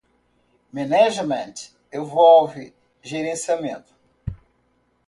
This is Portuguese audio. Management envolve gerenciamento.